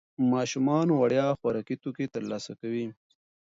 ماشومان وړیا خوراکي توکي ترلاسه کوي.